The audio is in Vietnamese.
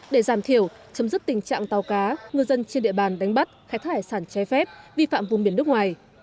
để giảm thiểu chấm dứt tình trạng tàu cá ngư dân trên địa bàn đánh bắt khai thác hải sản trái phép vi phạm vùng biển nước ngoài